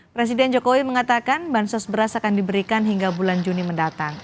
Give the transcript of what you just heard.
presiden jokowi mengatakan bansos beras akan diberikan hingga bulan juni mendatang